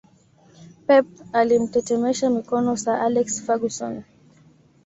Pep alimtetemesha mikono Sir Alex Ferguson